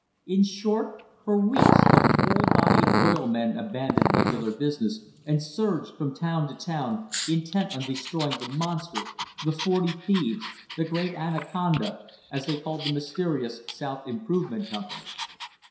In short, for weeks the whole body of oil men abandoned regular business and surged from town to town intent on destroying the "Monster," the "Forty Thieves," the "Great Anaconda," as they called the myste rious South Improvement Company.